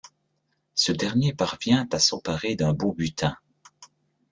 Ce dernier parvient à s'emparer d'un beau butin.